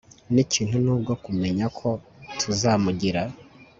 Nikintu nubwo kumenya ko tuzamugira